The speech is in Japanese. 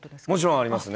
ありますね。